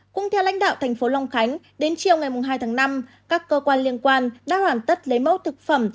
cũng theo lãnh đạo thành phố long khánh đến chiều ngày hai tháng năm các cơ quan liên quan đã hoàn tất lấy mẫu thực phẩm